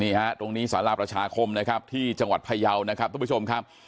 ตรงนี้สาราประชาคมนะครับที่จังหวัดพยาวนะครับทุกผู้ชมครับ